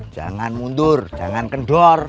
jangan mundur jangan kendor